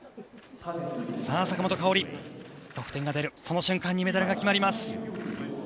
坂本花織、得点が出るその瞬間にメダルが決まります。